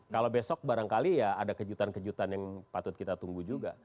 kalau besok barangkali ya ada kejutan kejutan yang patut kita tunggu juga